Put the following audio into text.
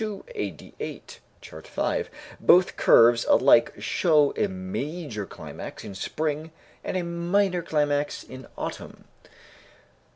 Both curves alike show a major climax in spring and a minor climax in autumn.